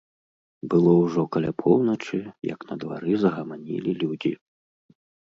Было ўжо каля поўначы, як на двары загаманілі людзі.